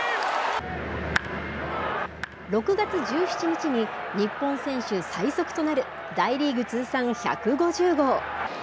６月１７日に日本選手最速となる大リーグ通算１５０号。